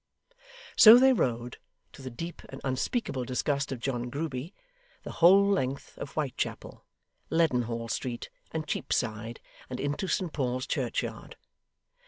So they rode (to the deep and unspeakable disgust of John Grueby) the whole length of Whitechapel, Leadenhall Street, and Cheapside, and into St Paul's Churchyard.